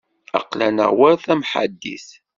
Aql-aneɣ war tamḥaddit.